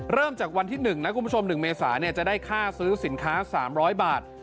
เริ่มจากวันที่๑นะคุณผู้ชม๑เมษาจะได้ค่าซื้อสินค้า๓๐๐บาท